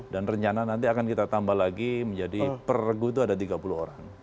dan rencana nanti akan kita tambah lagi menjadi per regu itu ada tiga puluh orang